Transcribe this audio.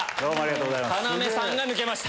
要さんが抜けました。